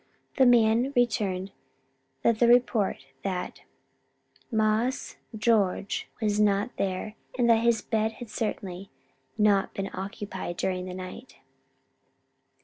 The man returned with the report that "Marse George" was not there and that his bed had certainly not been occupied during the night.